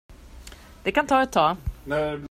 Det kan ta ett tag.